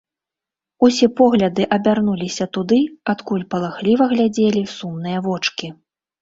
Усе погляды абярнуліся туды, адкуль палахліва глядзелі сумныя вочкі.